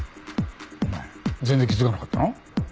お前全然気付かなかったの？